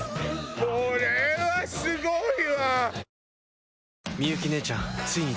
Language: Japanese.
これはすごいわ！